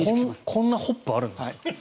こんなホップあるんですか。